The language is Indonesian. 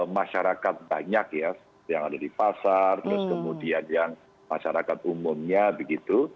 masyarakat banyak ya yang ada di pasar terus kemudian yang masyarakat umumnya begitu